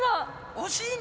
惜しいね！